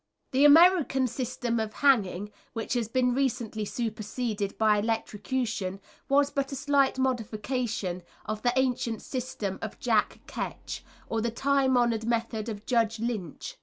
] The American system of hanging, which has been recently superseded by electrocution, was but a slight modification of the ancient system of Jack Ketch, or the time honoured method of Judge Lynch.